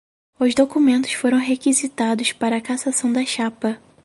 Os documentos foram requisitados para cassação da chapa